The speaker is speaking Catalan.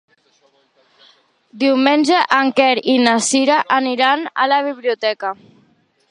Diumenge en Quer i na Cira aniran a la biblioteca.